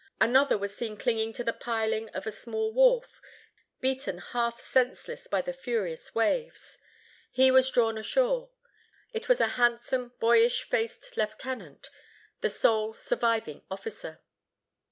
Another was seen clinging to the piling of a small wharf, beaten half senseless by the furious waves. He was drawn ashore. It was a handsome boyish faced lieutenant, the sole surviving officer.